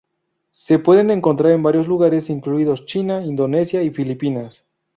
Se pueden encontrar en varios lugares, incluidos China, Indonesia y Filipinas.